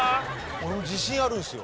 俺も自信あるんですよ。